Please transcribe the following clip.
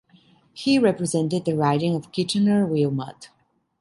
He represented the riding of Kitchener-Wilmot.